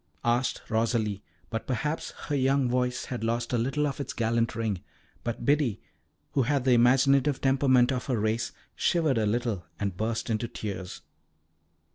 asked Rosalie, but perhaps her young voice had lost a little of its gallant ring. But Biddy, who had the imaginative temperament of her race, shivered a little, and burst into tears.